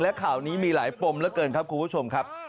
และข่าวนี้มีหลายปมเหลือเกินครับคุณผู้ชมครับ